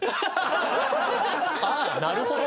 「ああなるほど」？